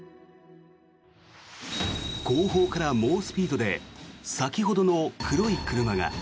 後方から猛スピードで先ほどの黒い車が。